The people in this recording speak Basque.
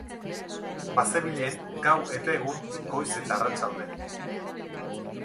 Bazebilen gau eta egun, goiz eta arratsalde.